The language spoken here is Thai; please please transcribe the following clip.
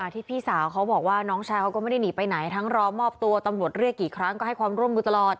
พี่สาวเขาบอกว่าน้องชายเขาก็ไม่ได้หนีไปไหนทั้งรอมอบตัวตำรวจเรียกกี่ครั้งก็ให้ความร่วมมือตลอด